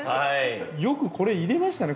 ◆よくこれ入れましたね